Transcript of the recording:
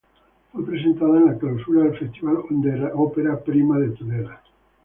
Fue presentada en la clausura del Festival Ópera Prima de Tudela.